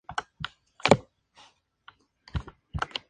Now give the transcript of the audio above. El último tema es "Behind Blue Eyes" del grupo "The Who"